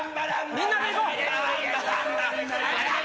みんなで行こう！